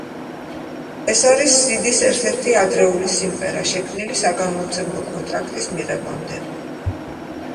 ეს არის სიდის ერთ-ერთი ადრეული სიმღერა, შექმნილი საგამომცემლო კონტრაქტის მიღებამდე.